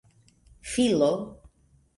filo